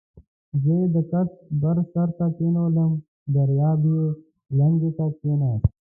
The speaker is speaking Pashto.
زه یې د کټ بر سر ته کېنولم، دریاب یې لنګې ته کېناست.